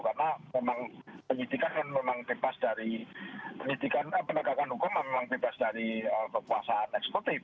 karena memang penyidikan memang bebas dari penegakan hukum memang bebas dari kekuasaan ekspektif